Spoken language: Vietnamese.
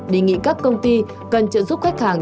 đề nghị các công ty cần trợ giúp khách hàng